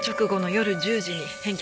夜１０時に返却。